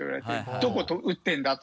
どこ打ってるんだと。